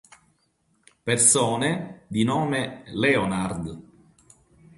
Persone di nome Leonard